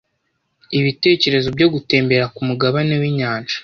ibitekerezo byo gutembera kumugabane winyanja